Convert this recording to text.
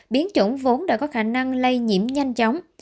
biến chủng vốn đã có khả năng lây nhiễm nhanh chóng